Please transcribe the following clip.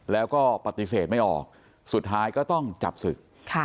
แล้วก็ปฏิเสธไม่ออกสุดท้ายก็ต้องจับศึก